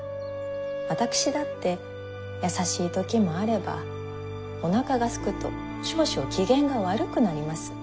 私だって優しい時もあればおなかがすくと少々機嫌が悪くなります。